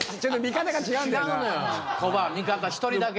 見方１人だけ。